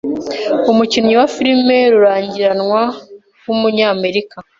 Umukinyi wa filime rurangiranwa w'umunyamerika